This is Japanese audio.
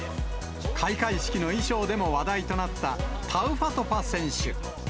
開会式の衣装でも話題となった、タウファトファ選手。